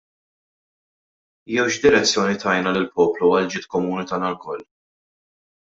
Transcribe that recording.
Jew x'direzzjoni tajna lill-poplu għal ġid komuni tagħna lkoll?